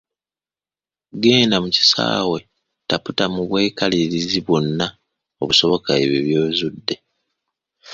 Genda mu kisaawe taputa mu bwekalirizi bwonna obusoboka ebyo by’ozudde